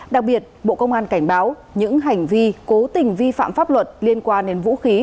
đặc biệt bộ công an cảnh báo những hành vi cố tình vi phạm pháp luật liên quan đến vũ khí